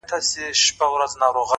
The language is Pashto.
نن داخبره درلېږمه تاته،